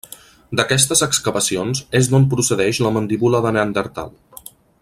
D'aquestes excavacions és d'on procedeix la mandíbula de Neandertal.